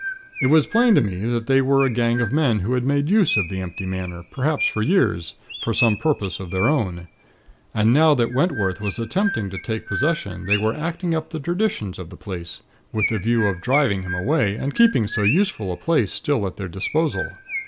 "It was plain to me that they were a gang of men who had made use of the empty Manor, perhaps for years, for some purpose of their own; and now that Wentworth was attempting to take possession, they were acting up the traditions of the place, with the view of driving him away, and keeping so useful a place still at their disposal.